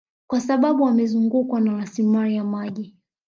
Kwa sababu wamezungukwa na rasilimali ya maji